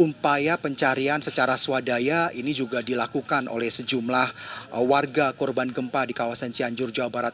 upaya pencarian secara swadaya ini juga dilakukan oleh sejumlah warga korban gempa di kawasan cianjur jawa barat